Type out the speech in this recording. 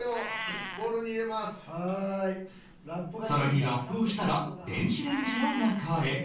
さらにラップをしたら電子レンジの中へ